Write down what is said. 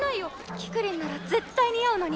キクリンなら絶対似合うのに。